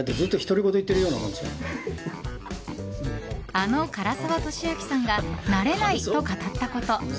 あの唐沢寿明さんが慣れないと語ったこと。